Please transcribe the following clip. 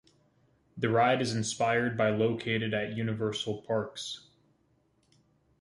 The ride is inspired by located at Universal Parks.